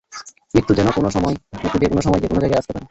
মৃত্যু যে কোন সময়, যেকোনো জায়গায় আসতে পারে।